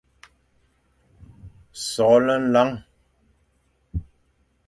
Soghle nlañ,